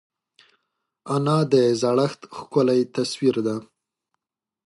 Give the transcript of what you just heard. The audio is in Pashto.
انا د زړښت ښکلی تصویر ده